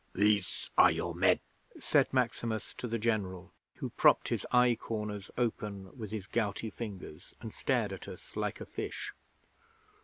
'"These are your men," said Maximus to the General, who propped his eye corners open with his gouty fingers, and stared at us like a fish.